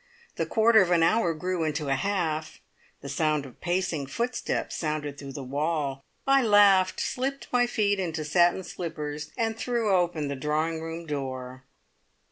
The quarter of an hour grew into a half, the sound of pacing footsteps sounded through the wall. I laughed, slipped my feet into satin slippers, and threw open the drawing room door.